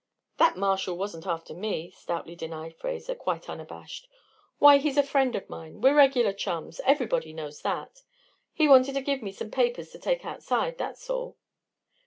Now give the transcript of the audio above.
"That marshal wasn't after me," stoutly denied Fraser, quite unabashed. "Why, he's a friend of mine we're regular chums everybody knows that. He wanted to give me some papers to take outside, that's all."